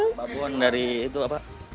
soto babon dari itu apa